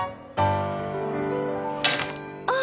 あ！